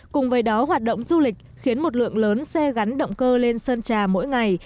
cùng với đó hoạt động du lịch khiến một lượng lớn xe gắn động cơ lên sơn trà mỗi ngày